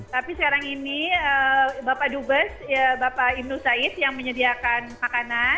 tapi sekarang ini bapak dubes bapak ibnu said yang menyediakan makanan